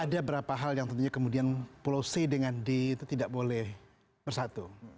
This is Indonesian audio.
ada beberapa hal yang tentunya kemudian pulau c dengan d itu tidak boleh bersatu